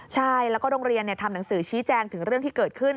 ใช่แล้วก็โรงเรียนทำหนังสือชี้แจงถึงเรื่องที่เกิดขึ้น